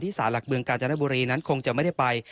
สารหลักเมืองกาญจนบุรีนั้นคงจะไม่ได้ไป